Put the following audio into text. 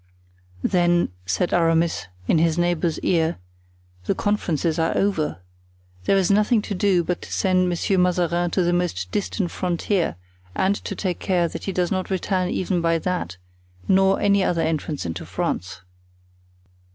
"Then," said Aramis, in his neighbor's ear, "the conferences are over. There is nothing to do but to send Monsieur Mazarin to the most distant frontier and to take care that he does not return even by that, nor any other entrance into France."